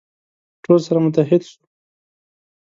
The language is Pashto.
ټول سره متحد سو.